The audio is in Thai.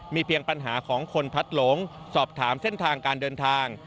เพียงปัญหาของคนพัดหลงสอบถามเส้นทางการเดินทาง